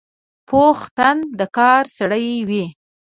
پوخ تن د کار سړی وي